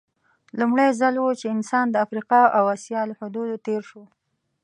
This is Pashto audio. لومړی ځل و چې انسان د افریقا او اسیا له حدودو تېر شو.